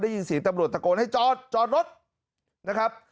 ยินเสียงตำรวจตะโกนให้จอดจอดรถนะครับ